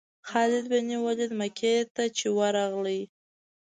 خالد بن ولید مکې ته چې ورغی.